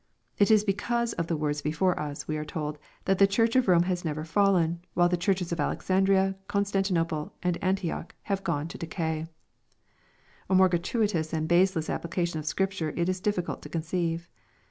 It is be cause of the words before us, we are told, that the Church of Borne has never fallen, while the Churches of Alexandria, Constantino ple, and Antioch, have gene to decay I A more gratuitous and baseless application of Scripture it is difficult to conceive.